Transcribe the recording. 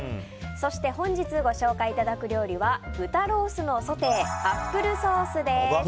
そして本日ご紹介いただく料理は豚ロースのソテーアップルソースです。